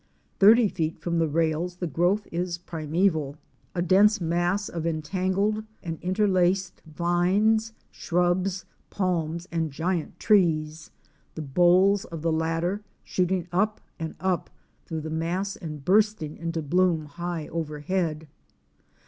Thirty feet from the rails the growth is primeval, a dense mass of entan gled and interlaced vines, shrubs, palms, and giant trees, the boles of the latter shooting up and up through the mass and bursting into bloom high overhead.